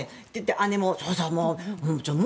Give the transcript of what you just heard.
姉も、そうそう！